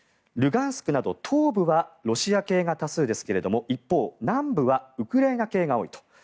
ルガンスクなど東部はロシア系が多数ですが一方、南部はウクライナ系が多いと。